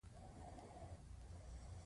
دا نظارت د لیاقت په اساس ترسره کیږي.